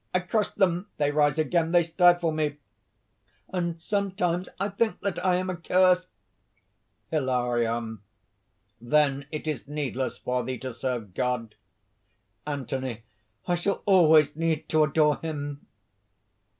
I crush them; they rise again, they stifle me; and sometimes I think that I am accursed." HILARION. "Then it is needless for thee to serve God?" ANTHONY. "I shall always need to adore Him."